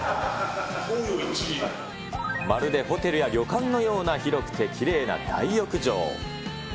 まるでホテルや旅館のような広くてきれいな大浴場。